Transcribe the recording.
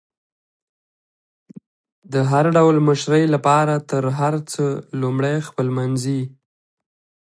د هر ډول مشري لپاره تر هر څه لمړی خپلمنځي